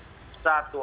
satu orang penghulu